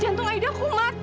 jantung aida kubat